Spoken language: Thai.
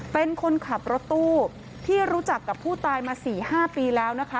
เป็นคนขับรถตู้ที่รู้จักกับผู้ตายมา๔๕ปีแล้วนะคะ